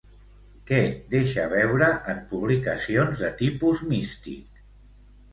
Què deixa veure en publicacions de tipus místic?